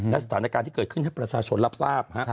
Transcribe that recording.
และสถานการณ์ที่เกิดขึ้นให้ประชาชนรับทราบ